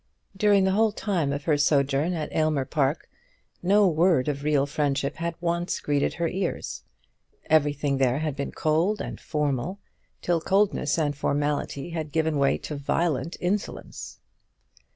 During the whole time of her sojourn at Aylmer Park no word of real friendship had once greeted her ears. Everything there had been cold and formal, till coldness and formality had given way to violent insolence.